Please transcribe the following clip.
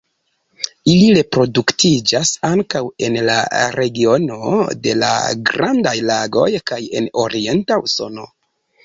Ili reproduktiĝas ankaŭ en la regiono de la Grandaj Lagoj kaj en orienta Usono.